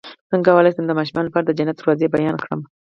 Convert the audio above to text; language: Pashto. څنګه کولی شم د ماشومانو لپاره د جنت دروازې بیان کړم